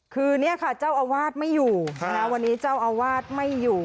คือเนี่ยค่ะเจ้าอาวาสไม่อยู่วันนี้เจ้าอาวาสไม่อยู่